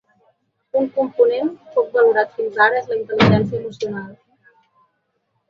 Un component, poc valorat fins ara, és la intel·ligència emocional.